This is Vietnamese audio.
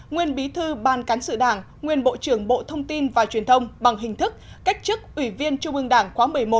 nguyên bí thư ban cán sự đảng nguyên bộ trưởng bộ thông tin và truyền thông bằng hình thức cách chức ủy viên trung ương đảng khóa một mươi một